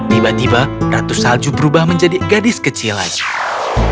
tiba tiba ratu salju berubah menjadi gadis kecil ajaib